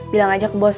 bilang aja ke bos saeb